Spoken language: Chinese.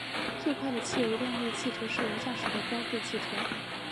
最快的汽油动力汽车是由驾驶的标致汽车。